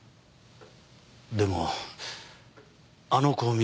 でもあの子を見るたび